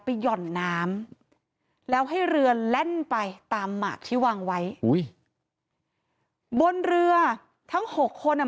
หย่อนน้ำแล้วให้เรือแล่นไปตามหมากที่วางไว้อุ้ยบนเรือทั้งหกคนอ่ะ